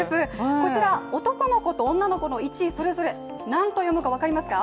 こちら男の子と女の子の１位、それぞれ何と読むかわかりますか？